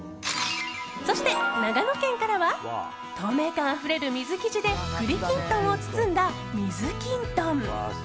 そして、長野県からは透明感あふれる水生地で栗きんとんを包んだ水きんとん。